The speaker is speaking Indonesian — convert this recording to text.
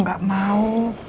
aku gak mau